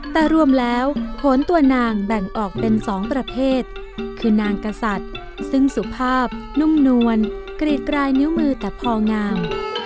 แต่รวมแล้วผลตัวนางแบ่งออกเป็น๒ประเภทคือนางกษัตริย์ซึ่งสุภาพนุ่มนวลกรีดกลายนิ้วมือแต่พองาม